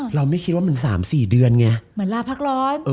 เราไม่คิดว่ามันสามสี่เดือนไง